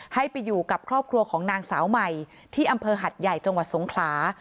ให้ไปอยู่กับครอบครัวของนางสาวใหม่ที่อำเภอหัดใหญ่จังหวัดสงขลา